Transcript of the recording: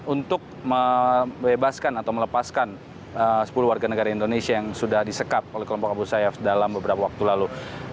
untuk membebaskan atau melepaskan sepuluh warga negara indonesia yang sudah disekap oleh kelompok abu sayyaf dalam beberapa waktu lalu